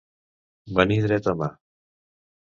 Venir dreta mà.